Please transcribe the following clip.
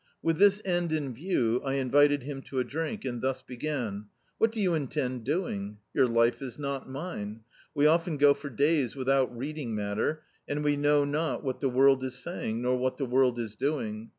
With this end in view, I invited him to a drink, and thus began: "What do you intend doing? Your life is not mine. We often go for days without reading matter, and we know not what the world is saying; nor what the world is doing.